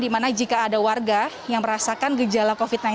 di mana jika ada warga yang merasakan gejala covid sembilan belas